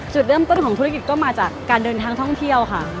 จุดเริ่มต้นของธุรกิจก็มาจากการเดินทางท่องเที่ยวค่ะ